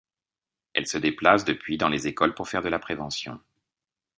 Elle se déplace depuis dans les écoles pour faire de la prévention.